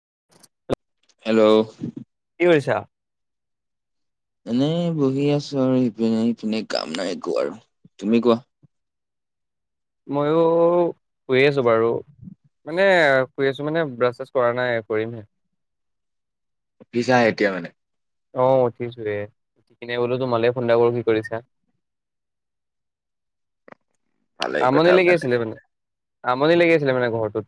[unintelligible] Hello কি কৰিছা? এনেই বহি আছো আৰু ইপিনে ইপিনে কাম নাই একো আৰু তুমি কোৱা ময়ো শুই আছো বাৰু মানে শুই আছো মানে ব্ৰাছ চাছ কৰা নাই কৰিমহে উঠিছা হে এতিয়া মানে আহ উঠিছোয়ে উঠি কিনে বোলো তোমালেই ফোন এটা কৰো কি কৰিছা ভালেই কথা আমনি লাগি ভালে আছিলে মানে আমনি লাগি আছিলে মানে ঘৰটোত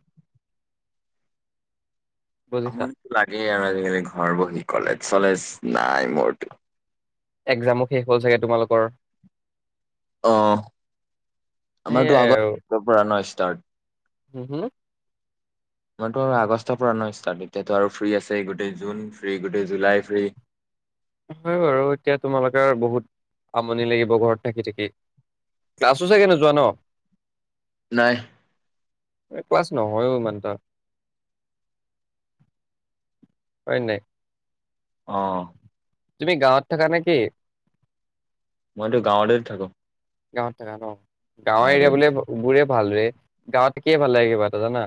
বুজিছা। আমনি লাগেই আৰু আজিকালি ঘৰ বহি কলেজ চলেজ নাই মোৰ ত এক্জামো শেষ হ'ল চাগে তোমালোকৰ অ আমাৰতো আগত পৰা ন ষ্টাৰ্ট হু হু মইতো আৰু আগষ্টৰ পৰা ন ষ্টাৰ্ট এতিয়াতো আৰু ফ্ৰী আছে গোটেই জুন ফ্ৰী গোটেই জুলাই ফ্ৰী হয় বাৰু এতিয়া তোমালোকে বহুত আমনি লাগিব ঘৰত থাকি থাকি ক্লাছো চাগে নোযোৱা ন? নাই। এ ক্লাছ নহয়ও ইমানটা। হয় নে। অ অ। তুমি গাঁৱত থাকা নেকি? মইতো গাঁৱতেতে থাকো। গাঁৱত থাকা ন? গাঁৱৰ এৰিয়া বোলে উবোৰেব। ভালুৱে গাঁৱত থাকিয়ে ভাল লাগে কিবা এটা জানা।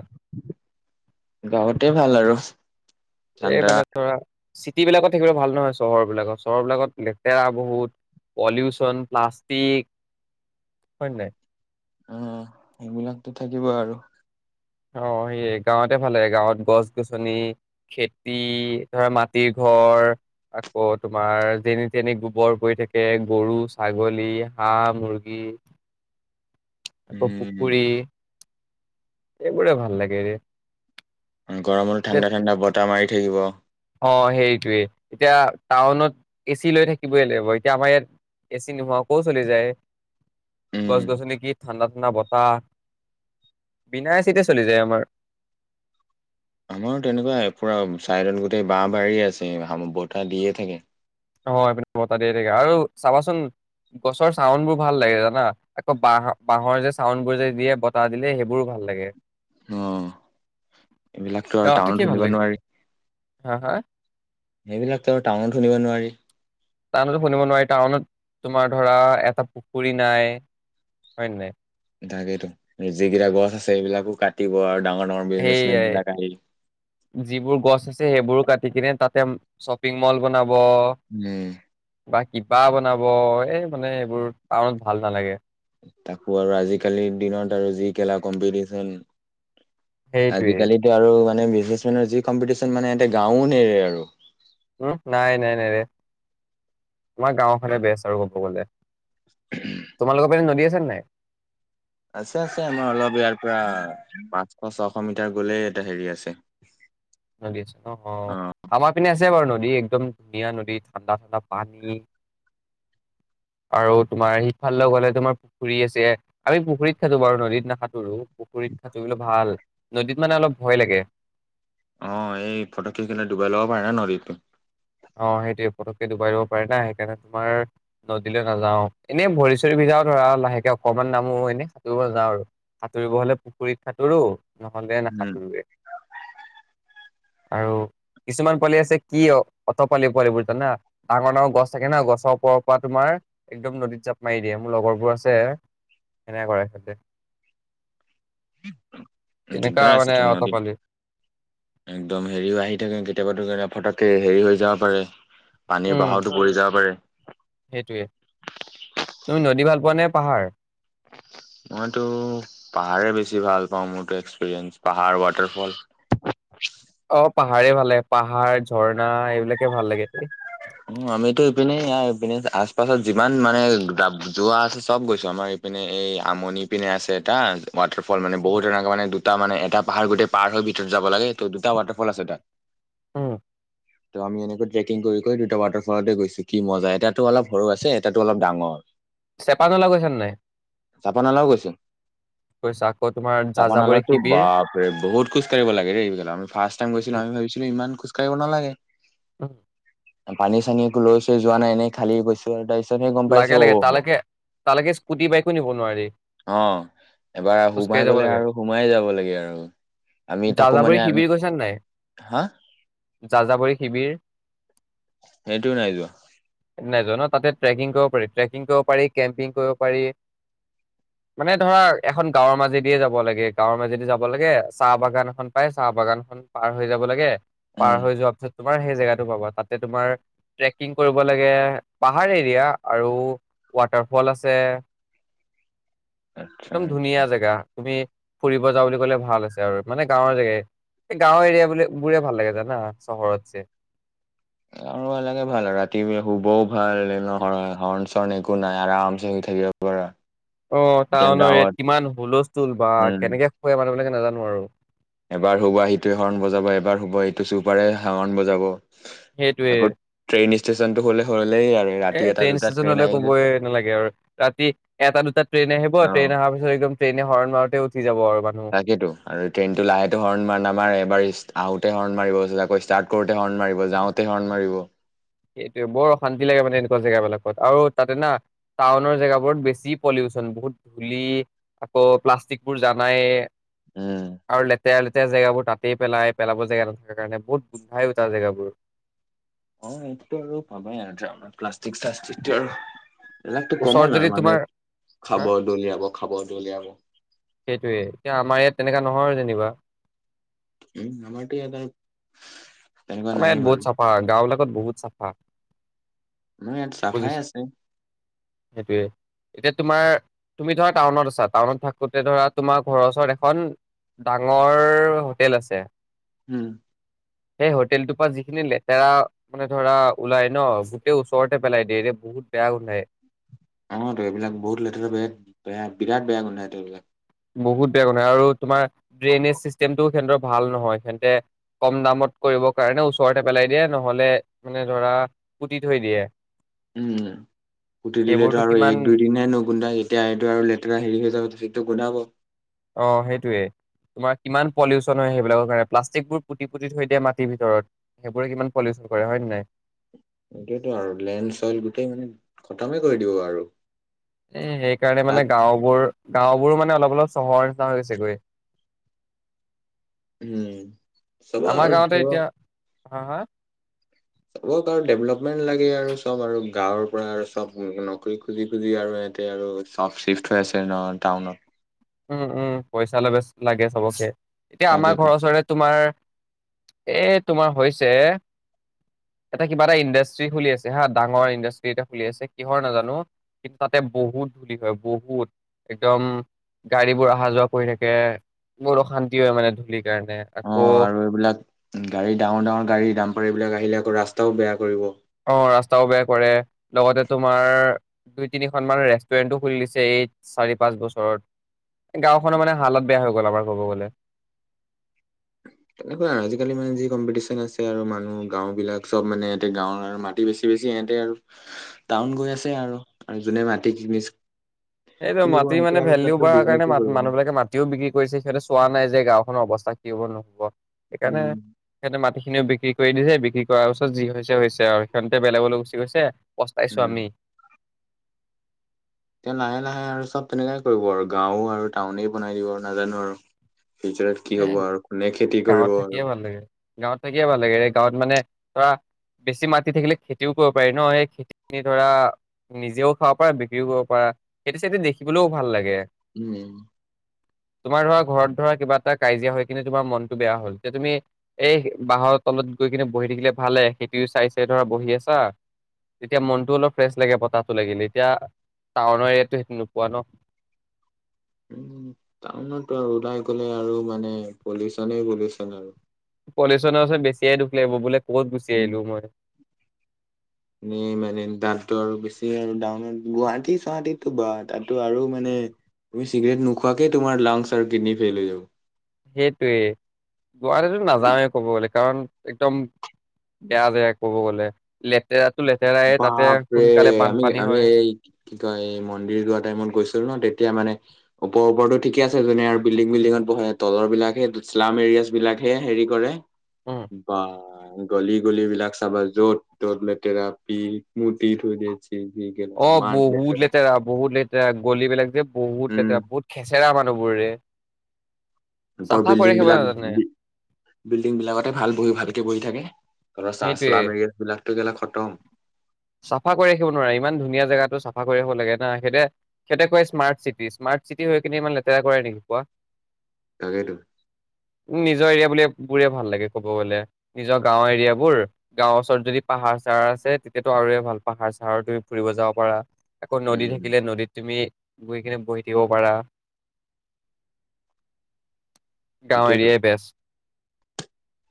গাঁৱতে ভাল আৰু এই ঠাণ্ডা মানে ধৰা চিট চিটিবিলাকত থাকিবলৈ ভাল নহয়, চহৰ বিলাকত চহৰ বিলাকত লেতেৰা বহুত পলিউচন, প্লাষ্টিক, হয় নে নাই? উম উ উ সেইবিলাকতো থাকিব আৰু অ সেইয়ে গাঁৱতে ভাল লাগে, গাঁৱত গছ গছনি, খেতি, ধৰা মাটিৰ ঘৰ আকৌ তোমাৰ যেনি তেনি গোবৰ পৰি থাকে। গৰু, ছাগলী, হাঁহ মুৰ্গী চুচ আকৌ পুখুৰী। উম এইবোৰে ভাল লাগেৰে। উম, গৰমৰ ঠাণ্ডা ঠাণ্ডা বতাহ মাৰি থাকিব। অ সেইটোৱেই, এতিয়া টাউনত এ চি লৈ থাকিবই লাগিব এতিয়া আমাৰ ইয়াত এ চি নোহোৱা কৈওঁ চলি যায়। উম গছ গছনি কিত ঠাণ্ডা ঠাণ্ডা বতাহ বিনায় এ চিতে চলি যায় আমাৰ। আমাৰো তেনেকুৱাই পুৰা ছাইডত গোটেই বাঁহ- বাৰী আছে হামু বতাহ দিয়ে থাকে। অ সেপিনে বতাহ দিয়ে থাকে, আৰু চাবাচোন গছৰ চাউণ্ড বোৰ ভাল লাগে জানা! আকৌ বাঁহ বাঁহৰ যে চাউণ্ড বোৰ যে দিয়ে বতাহ দিলে সেইবোৰো ভাল লাগে। অ এইবিলাকটো আৰু গাঁৱত থাকি টাউনত ভাল শুনিব লাগে নোৱাৰি। হা হা এইবিলাকতো টাউনত শুনিব নোৱাৰি। টাউনতো শুনিব নোৱাৰি। টাউনত তোমাৰ ধৰা এটা পুখুৰী নাই হয় নে নাই। তাকেইটো যিকেইটা গছ আছে সেইবিলাকো কাটিব আৰু ডাঙৰ ডাঙৰ বিজনেচমেন সেয়াই, বিলাক আহি যিবোৰ গছ আছে তে সেইবোৰো কাটি কিনে তাতে শ্বপিং মল বনা বঅঅ উম বাকী কিব্বা বনাব এই মানে এইবোৰ টাউনত ভাল নালাগে। তাকো আৰু আজিকালিৰ দিনত আৰু যি কেলা কম্পিটিচন। সেইটোৱে আজিকালিতো আৰু মান নাই বিজনেছমেনৰ যি কম্পিটিচন মানে এতিয়া গাঁৱ নেৰে আৰু গাওঁ ফালে বেচ আৰু ক'ব গলে। তোমালোকৰ পিনে নদী আছে। ঝৰ্ণাই আছে আছে আমাৰ অলপ ইয়াৰ পৰা পাঁচশ ছশ মিটাৰ গলেই এটা হেৰি আছে। নদী আছে নহ অ আমাৰ পিনে আছে। যা বাৰু নদী একদম ধুনীয়া নদী ঠাণ্ডা ঠাণ্ডা পানী। আৰু তোমাৰ সিফালে গলে তোমাৰ পুখুৰী আছে, আমি পুখুৰীত খেলো বাৰু নদীত নাহাতোৰো পুখুৰীত হাতুৰিৰে ভাল নদীত মানে অলপ ভয় লাগে অঁ এই ফটো কেইখন ডুবাই ল'গাবা নহলে নদীত অঁ সেইটোৱে পটককে ডুবাই দিব পাৰে না সেইকাৰণে তোমাৰ নদীলৈ নাযাও এনেই ভৰি চৰি ভিজাও ধৰা লাহেকে অকনমান নামো এনেই সাঁতুৰিব ন যাওঁ আৰু সাঁতুৰিব হলে পুখুৰীত সাঁতোৰো নহলে উম নাহাতুৰোয়ে আৰু কিছুমান পোৱালি আছে কি অঁ অট পালি পোৱালিবোৰ জানা ডাঙৰ ডাঙৰ গছ থাকে না গছৰ ওপৰৰ পৰা তোমাৰ একদম নদীত জাপ মাৰি দিয়ে মোৰ লগৰবোৰ আছে সেনেকুৱাই কৰে সিহঁতে কেনেকা দিগদাৰ মানে আছে তোমাৰ অত দেই পোৱালি একদম হেৰিও আহি থাকে কেতিয়াবা কাৰ ফতাফট ত হেৰি হৈ যাব পাৰে পানীৰ উম বাহাতো পৰি যাব পাৰে বনে পাহাৰ মইতো পাহাৰে বেছি ভাল পাওঁ মোৰতো এক্সপিৰিয়েঞ্চ পাহাৰ ৱাটাৰফল অঁ পাহাৰ পাহাঁৰে ভাল লাগে পাহাঁৰ ঝৰ্ণা এইবিলাকে ভাল লাগে মোৰ উম আমিতো ইপিনে ইয়াৰ ইপিনে আছে পাছত যিমান মানে যোৱা আছে চব গৈছো আমাৰ ইপিনে এই আমনি পিনে আছে এটা ৱাটাৰৰ ফল মান বহুত ডাঙৰ কিন্ত দুটা মানে এটা পাহাঁৰ গোটেই পাৰ হৈ ভিতৰত যাব লাগে ত' দুটা ৱাটাৰফল আছে তাত উম [inaudible] দুটা ৱাটাৰফলতে গৈছো কি মজা এটাতো অলপ সৰু আছে এটাতো অলপ ডাঙৰ চেপানলা গৈছা নে নাই জাপানালেও গৈছো গৈছা আকৌ তোমাৰ জাপানালো যাযাবৰী শিবিৰ বাপৰে বহুত খোজ কঢ়িব লাগেই এইত আমি ফাৰ্ষ টাইম গৈছিলো আমি ভাবিছিলো ইমান খো কঢ়িব কেনেকুৱা লাগে উম পানী চানী একো লৈছো যোৱা নাই এনেই খালি গৈছো ওলাইছো লাগে লাগে তালৈকে তালৈকে স্কুটি বাইকো নিব নোৱাৰি অ' এবাৰ সোমাই খোজকাঢ়ি যাব গ'লে লাগে আৰু সোমাই যাব লাগে আৰু আমি তাকো মানে যাজাবৰী শিবিৰ গৈছ নাই হা যাযাবৰী শিবিৰ সেইটো নাই যোৱা নাজানো তাতে ট্ৰেকিং কৰিব পাৰি ট্ৰেকিং কৰিব পাৰি কেম্পিং কৰিব পাৰি মানে ধৰা এখন গাঁৱৰ মাজেদিয়ে যাব লাগে গাঁৱৰ মাজেদি যাব লাগে চাহ বাগান এখন পায় চাহ বাগানখন পাৰ হৈ যাব লাগে পাৰ উম। হৈ যোৱাৰ পাছত তোমাৰ সেই জেগাতটো পাবা তাতে তোমাৰ ট্ৰেকিং কৰিব লাগে পাহাৰে সেইয়াত আৰু ৱাটাৰফল আছে আচ্ছা একদম আচ্ছা ধুনীয়া জেগা তুমি ফুৰিব যাওঁ বুলি ক'লে ভাল আছে আৰু মানে গাঁৱৰ জেগাই গাওৰ এৰিয়া বুলি বোৰে ভাল লাগে জানা চহৰত যে আৰু এনেকে ভাল লাগে আৰু ৰাতিপুৱাৰ শুবও ভাল হৰ্ণ চৰ্ণ একো নাই আৰাম চে শুই থাকিব পাৰা অঁ এতিয়া টাউনৰ ইয়াত গাঁৱত কিমান হুলস্থুল বা উম কেনেকে শুই ৱে মানুহবিলাক নাজানো আৰু এবাৰ শুবা সিটোৱে হৰ্ণ বজাব এবাৰ শুবা সিটো চুপাৰে হৰণ বজাব সেইটোৱে আকৌ ট্ৰেইন। ষ্টেচনটো হ'লে হয়। এ ট্ৰেইন ষ্টেচনলৈ ক'বই নালাগে। আৰু ৰাতি এটা দুটা ট্ৰেইন আহিব ট্ৰেইন অহাৰ পিছত একদম। ট্ৰেইনে হৰন মাৰু তেই উঠিছোঁ। তাকেইতো আৰু ট্ৰেইনটো লাহে হৰণ নামাৰে বাৰু। আহোতে হৰ্ণ মাৰিব। আকৌ ষ্টাৰ্ট কৰোতে হৰ্ণ মাৰিব। যাওঁতে হৰ্ণ মাৰিব। সেইটোৱে বৰ অশান্তি লাগে। মানে এনেকুৱা জেগাবিলাকত আৰু তাতে না, টাউনৰ জেগাবোৰত বেছি পলিউচন বহুত ধূলি আকৌ প্লাষ্টিক বোৰ জানাই। উম লেতেৰা লেতেৰি। লেতেৰা জাবৰবোৰ তাতেই পেলাই। পেলাব জেগা নথকাৰ কাৰণে। বহুত গোন্ধাই অ তাৰ জেগাবোৰ। অ এইটো আৰু ভবাই নাই আৰু প্লাষ্টিক টালাষ্টিক আৰু। লাইফ টো ওচৰত কমন যদি আৰু তোমাৰ মানুহে হা খাব দলিয়াব খাব দলিয়াব। সেইটোৱে এতিয়া আমাৰ ইয়াত তেনেকা নহয় যেনিবা। উম সেইটো ইয়াত আৰু। তেনেকুৱা আমাৰ ইয়াত নায়েই বহুত বাৰু চফা গাঁও বিলাক। তাত বহুত চাফা আমাৰ ইয়াত চাফাই বুজিছা আছে সেইটোৱে এতিয়া। তোমাৰ তুমি ধৰা টাউনত আছা। টাউনত থাকোতে ধৰা তোমাৰ ঘৰৰ ওচৰত এখন ডাঙৰ হোটেল আছে। উম। সেই হোটেলটোৰ পৰা যিখিনি লেতেৰা, মানে ধৰা ওলাই ন গোটেই ওচৰতে পেলাই দিয়ে। এতিয়া বহুত বেয়া গোন্ধাই। অ ত এইবিলাক বহুত লেতেৰা বে বেয়া বিৰাট বেয়া গোন্ধাই এতিয়ালৈকে। বহুত বেয়া গোন্ধাই আৰু তোমাৰ ড্ৰেইনেজ চিষ্টেমটো সিহঁতৰ ভাল নহয়। সিহঁতে কম দামত কৰিবৰ কাৰণে, ওচৰতে পেলাই দিয়ে নহ'লে মানে ধৰা পুতি থৈ দিয়ে, উম উম পুতি দিলেতো সেইবোৰতো আৰু কিমান এক দুই দিনহে নোগোন্ধাই। এতিয়া এইটো আৰু লেতেৰা হেৰি হৈ যাব তেতিয়া সেইটো গোন্ধাব। অ সেইটোৱে তোমাৰ কিমান পলিউচন হয়, সেইবিলাকৰ কাৰণে প্লাষ্টিকবোৰ পুতি পুতি থৈ দিয়ে মাটিৰ ভিতৰত। সেইবোৰে কিমান পলিউচন কৰে হয় নাই। খটমে কৰি দিব আৰু। এ সেই কাৰণে তাত মানে গাঁওবোৰ। গাঁওবোৰো মানে অলপ অলপ চহৰ নিচিনা হৈ গৈছে গৈ। উম উম সব আমাৰ আৰু গাঁৱতে থহ। এতিয়া হা হা। চবক আৰু ডেভলপমেণ্ট লাগে। আৰু চব আৰু গাঁৱৰ পৰা আৰু চব নকৰি খুজি খুজি, আৰু সিহঁতে আৰু চব চিফ্ট হৈ আছে ন টাউনত। উম উম পইচা লে বেছ লাগে চবকে। এতিয়া আমাৰ তাকেইতো। ঘৰৰ ওচৰৰে তোমাৰ। এ তোমাৰ হৈছে, এটা কিবা এটা ইণ্ডাষ্ট্ৰি খুলি আছে হা ডাঙৰ ইণ্ডাষ্ট্ৰি এটা খুলি আছে। কিহৰ নাজানো কিন্তু তাতে বহুত ধূলি হয় বহুত একদম। গাড়ী বোৰ অহা যোৱা কৰি থাকে। বহুত অশান্তি হয় মানে ধূলিত। অ আৰু এইবিলাক গাড়ী ডাঙৰ ডাঙৰ গাড়ী দাম্পাৰ এইবিলাক আহিলে আকৌ ৰাস্তা। ত বেয়া কৰিব। অ ৰাস্তাও বেয়া কৰে। লগতে তোমাৰ দুই তিনি খন মান ৰেষ্টুৰেণ্টো খুলি দিছে। এই চাৰি পাঁচ বছৰত গাওঁ খনৰ মানে হালত বেয়া হৈ গ'ল আমাৰ ক'ব গ'লে। তেনেকোৱাই আৰু আজি কালি মানে যি কম্পিটিচন হৈছে। আৰু মানুহ গাওঁ বিলাক চব মানে সিহঁতে গাঁওৰ আৰু মাটি বেছি বেছি সিহঁতে আৰু টাউন গৈ আছে আৰু আৰু যোনে মাটি কিনিছে। এইটো মাটি মানে বেলিও বঢ়াৰ কাৰণে বিজনেছে কৰিব ম ন মানুহ বিলাকে মাটিও বিক্ৰী কৰিছে সিহঁতে চোৱা নাই যে গাঁওখনৰ অৱস্থা দিব নহ'ব সেইকাৰণে উম সিহঁতে মাতি সেইখিনিও বিক্ৰী কৰি দিছে বিক্ৰী কৰাৰ পিছত যি হৈছে হৈছে আৰু সেইখন এতিয়া বেলেগলৈ গুচি গৈছে পস্তাইছোঁ উম আমি এতিয়া লাহে লাহে আৰু চব তেনেকাই কৰিব আৰু গাঁও আৰু টাউনেই বনাই দিব আৰু নাজানো আৰু ফিউচাৰত কি এ হ'ব আৰু কোনে খেতি গাঁৱত কৰিব আৰু থাকিয়ে ভাল লাগে গাঁৱত থাকিয়ে ভাল লাগে এই গাঁৱত মানে ধৰা বেছি মাটি থাকিলে খেতিও কৰিব পাৰি ন সেই খেতি খিনি ধৰা নিজেও খাব পাৰা বিক্ৰীও কৰিব পাৰা খেতি চেতি দেখিবলৈও ভাল লাগে উম তোমাৰ ধৰা ঘৰত ধৰা কিবা কাজিয়া হৈ কিনে তোমাৰ মনতটো বেয়া হ'ল এতিয়া তুমি এই বাহৰ তলত গৈ কিনে বহি থাকিলে ভালে সেইটো চাই চাই ধৰা বহি আছা তেতিয়া মনটো অলপ ফ্ৰেছ লাগে বতাহটো লাগিলে এতিয়া টাউনৰ এৰিয়াততো সেইটো নোপোৱা ন উ টাউনততো আৰু ওলাই গ'লে আৰু মানে পলিউচনে পলিউচন আৰু পলিউচনচন বেছিয়ে দুখ লাগিব বোলে গুচি আহিলো মই এ মানে ডাক্তৰ বেছি আৰু ডান গুৱাহাটী চোৱাহাতী বা তাতো আৰু মানে তুমি চিগৰেট নোখোৱাকে তোমাৰ লাংচ আৰু কিডনী ফেইল হৈ যাব সেইটোৱে গুৱাটীতটো নাযাওৱেই ক'ব গ'লে কাৰণ একদম বেয়া জাগা ক'ব গ'লে লেতেৰা বাপৰে আমি আমি হয় এই কি কয় এই মন্দিৰ যোৱা টাইমত গৈছিলো ন তেতিয়া মানে ওপৰ ওপৰতো ঠিকে আছে যোনে আৰু বিল্ডিং বিল্ডিঙত বহে তলৰ বিলাকে শ্লাম এৰিয়াছ বিলাকহে হেৰি কৰে উম বাহ গলি গলিবলাক চাবা য'ত ত'ত লেতেৰা চি মুতি থৈ দিয়ে চি যি কেনে অ ইমান বহুত লেতেৰা বহুত লেতেৰা গলিবলাক যে বহুত উম লেতেৰা বহুত খেচেৰা মানুহবোৰ ৰে বিল্ডিং বিলাক বি বিল্ডিং বিলাকতে ভাল বহি ভালকে বহি থাকে তলৰ চা সেইটোৱে শ্লাম এৰিয়া বিলাকতো গেলা খতম চাফা কৰি ৰাখিব নোৱাৰে ইমান ধুনীয়া জেগাতো চাফা কৰি ৰাখিব লাগে না সেতে সেঁতে কয় স্মাৰ্ট চিটি স্মাৰ্ট চিটি হৈ কিনে ইমান লেতেৰা কৰে নেকি কোৱা? তাকেইতো নিজৰ এৰিয়া বুলি বোৰে ভাল লাগে ক'ব গ'লে নিজৰ গাঁওৰ এৰিয়া বোৰ গাঁৱৰ ওচৰত যদি পাহাৰ চাহাৰ আছে তেতিয়াতো আৰু ভাল পাহাৰ চাৰ তুমি ফুৰিব যাব পাৰা আকৌ নদী উম থাকিলে নদীত তুমি গৈ কিনে বহি থাকিব পাৰা গাঁও সেইটোয়েতো এৰিয়াই বেষ্ট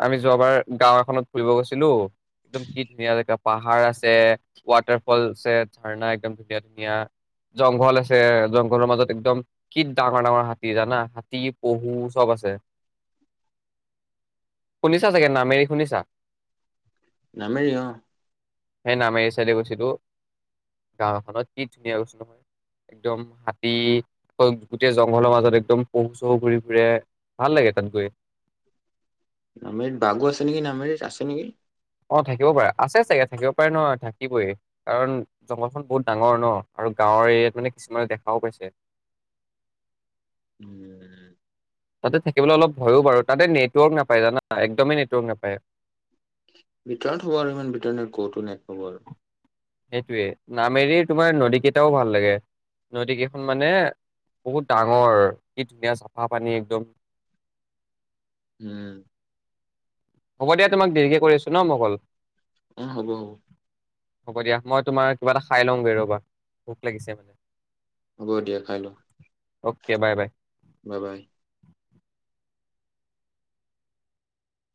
আমি যোৱাবাৰ গাঁও এখনত ফুৰিব গৈছিলো একদম কি ধুনীয়া মেকাপ পাহাৰ আছে ৱাটাৰফল আছে ঝাৰণা একদম ধুনীয়া ধুনীয়া জংঘল আছে জংঘলৰ মাজত একদম কি ডাঙৰ ডাঙৰ হাতী জানা হাতী পহু চব আছে শুনিছা চাগে নামেৰি শুনিছা নামেৰি অ সেই নামেৰি চাইডে গৈছিলো গাওঁ এখনত কি ধুনীয়া কৈছো নহয় একদম হাতী গোটেই জংঘলৰ মাজত একদম পহু চহু ঘূৰি ফুৰে ভাল লাগে তাত গৈ নামেৰিত বাঘও আছে নেকি নামেৰিত আছে নেকি অ থাকিবও পাৰে আছে চাগে থাকিব পাৰে ন থাকিবই কাৰণ জংঘলখন বহুত ডাঙৰ ন আৰু গাঁৱৰ এৰিয়াত মানে কিছুমানে দেখাও পাইছে উম তাতে থাকিবলৈ অলপ ভয়ো বাৰু তাতে নেটৱৰ্ক নাপায় জানা একদমেই নেটৱৰ্ক নাপায় ভিতৰত হ'ব আৰু ইমান ভিতৰত নো ক'ত নো নেট পাব আৰু সেইটোৱে নামেৰিৰ তোমাৰ নদী কেইটাও ভাল লাগে নদী কেইখন মানে বহুত ডাঙৰ কি ধুনীয়া চাফা পানী একদম উম হ'ব দিয়া তোমাক দেৰিকে কৰি আছো ন মই কল উম হ'ব হ'ব দিয়া মই তোমাৰ কিবা এটা খাই লওঁ গে ৰ'বা ভোক লাগিছে মানে হ'ব দিয়া খাই লোৱা okay bye bye bye bye